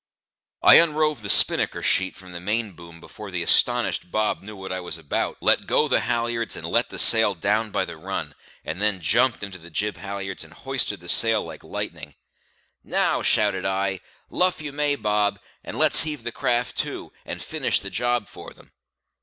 I unrove the spinnaker sheet from the main boom before the astonished Bob knew what I was about, let go the halliards, and let the sail down by the run; and then jumped to the jib halliards and hoisted the sail like lightning. "Now," shouted I, "luff you may, Bob, and let's heave the craft to, and finish the job for them."